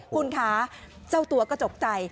คุณคะเจ้าตัวก็ตกใจ